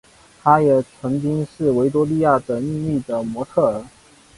她也曾经是维多利亚的秘密的模特儿。